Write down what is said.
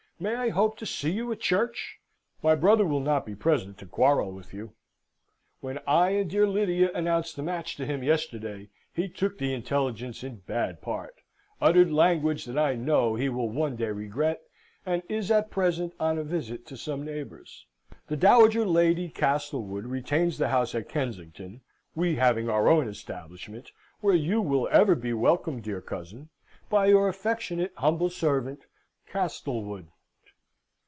May I hope to see you at church? My brother will not be present to quarrel with you. When I and dear Lydia announced the match to him yesterday, he took the intelligence in bad part, uttered language that I know he will one day regret, and is at present on a visit to some neighbours. The Dowager Lady Castlewood retains the house at Kensington; we having our own establishment, where you will ever be welcomed, dear cousin, by your affectionate humble servant, CASTLEWOOD."